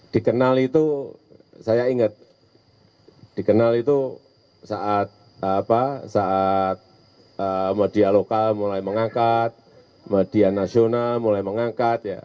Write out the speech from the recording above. dikenal itu saya ingat dikenal itu saat media lokal mulai mengangkat media nasional mulai mengangkat